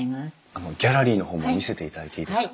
あのギャラリーの方も見せていただいていいですか？